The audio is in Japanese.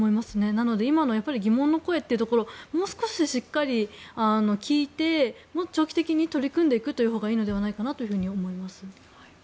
なので、今の疑問の声をもう少ししっかり聞いてもっと長期的に取り組んでいくほうがいいのではないかと思います。